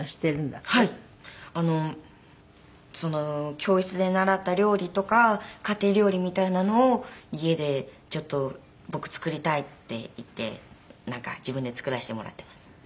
教室で習った料理とか家庭料理みたいなのを家でちょっと「僕作りたい」って言ってなんか自分で作らせてもらっています。